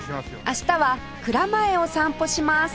明日は蔵前を散歩します